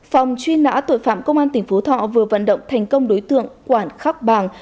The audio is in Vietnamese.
phòng truy nã tội phạm công an tỉnh phú thọ vừa vận động thành công đối tượng quản khắc bàng